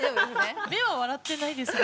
目は笑ってないですよ。